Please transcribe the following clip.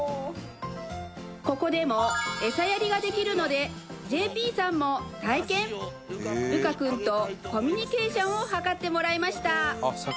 ここでもエサやりができるのでＪＰさんも体験ルカくんとコミュニケーションを図ってもらいました